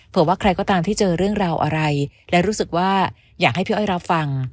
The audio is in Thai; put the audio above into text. ว่าใครก็ตามที่เจอเรื่องราวอะไรและรู้สึกว่าอยากให้พี่อ้อยรับฟัง